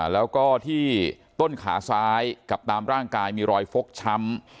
แล้วก็ที่ต้นขาซ้ายกับตามร่างกายมีรอยฟกช้ำ